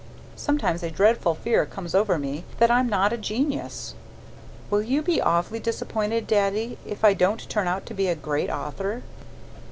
Sometimes a dreadful fear comes over me that I'm not a genius. Will you be awfully disappointed, Daddy, if I don't turn out to be a great author?